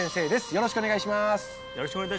よろしくお願いします